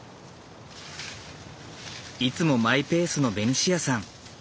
いつもマイペースのベニシアさん。